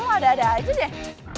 ada ada aja deh